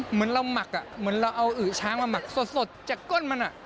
เหมือนเราหมักเหมือนเราเอาอือช้างมาหมักสดจากก้นมัน